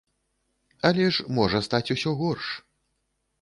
Але ж можа стаць усё горш.